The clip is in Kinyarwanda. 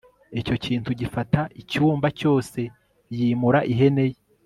Icyo kintu gifata icyumba cyose Yimura ihene ye